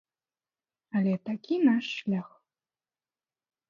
Але такі наш шлях.